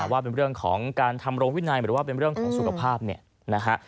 ว่าเป็นเรื่องของการทำโรงวินัยหรือว่าเป็นเรื่องของสุขภาพเนี่ยนะฮะ